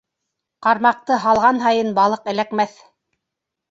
Ҡармаҡты һалған һайын балыҡ эләкмәҫ.